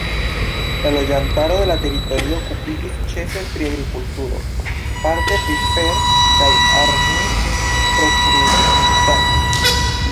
La loĝantaro de la teritorio okupiĝis ĉefe pri agrikulturo; parte pri fer- kaj armil-proruktado.